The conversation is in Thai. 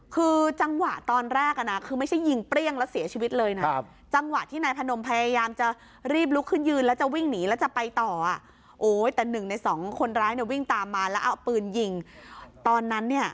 คือจังหวะตอนแรกคือไม่ใช่ยิงเปรี้ยงแล้วเสียชีวิตเลยนะ